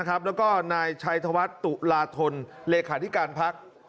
แล้วก็นายชัยธวัฒน์ตุลาธนเลขาธิการพัก